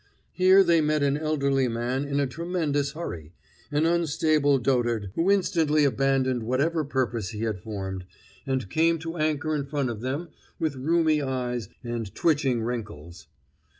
Here they met an elderly man in a tremendous hurry an unstable dotard who instantly abandoned whatever purpose he had formed, and came to anchor in front of them with rheumy eyes and twitching wrinkles.